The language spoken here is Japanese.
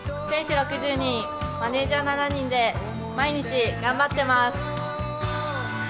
選手６０人、マネージャー７人で毎日頑張っています。